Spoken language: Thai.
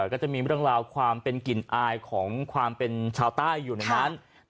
ก็จะมีเรื่องราวความเป็นกลิ่นอายของความเป็นชาวใต้อยู่ในนั้น